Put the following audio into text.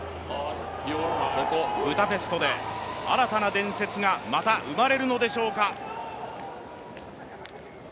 ここ、ブダペストで新たな伝説がまた生まれるのでしょうか。